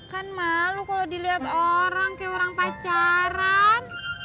kan malu kalau dilihat orang kayak orang pacaran